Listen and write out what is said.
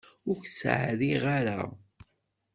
Ur k-ttɛerriɣ ara.